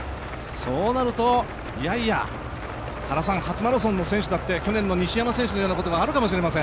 そうなると、いやいや、原さん、初マラソンの選手だって、去年の西山選手みたいなことがあるかもしれません。